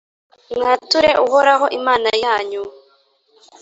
mwature Uhoraho, Imana yanyu!